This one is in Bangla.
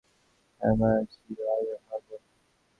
সার্মা জি ও আজব পাগল।